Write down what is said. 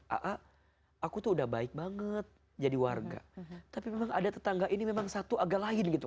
aa aku tuh udah baik banget jadi warga tapi memang ada tetangga ini memang satu agak lain gitu